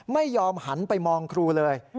ไม่ยอมหันไปมองครูเลย